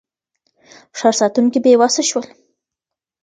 ښار ساتونکي بېوسه شول.